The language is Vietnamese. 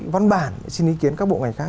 văn bản xin ý kiến các bộ ngành khác